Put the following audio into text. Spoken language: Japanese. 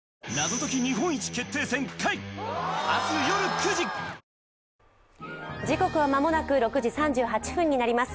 ぷはーっ時刻は間もなく６時３８分になります。